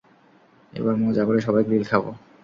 এবার মজা করে সবাই গ্রিল খাবো!